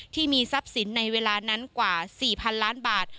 ที่มีทรัพย์สินในเวลานั้นกว่า๔๐๐๐ล้านบาท